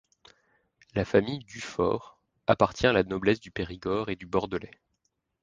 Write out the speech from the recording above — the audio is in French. La famille Dufaure appartient à la noblesse du Périgord et du Bordelais.